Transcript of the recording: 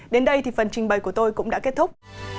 đến đây thì phần trình bày của tôi cũng đã kết thúc